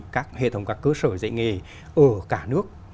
các hệ thống các cơ sở dạy nghề ở cả nước